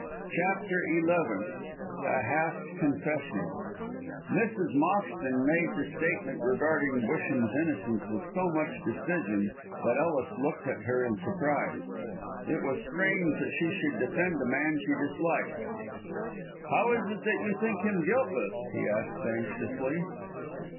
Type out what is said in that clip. CHAPTER XI A HALF CONFESSION Mrs. Moxton made the statement regarding Busham's innocence with so much decision that Ellis looked at her in surprise. It was strange that she should defend a man she disliked. "How is it that you think him guiltless?" he asked anxiously.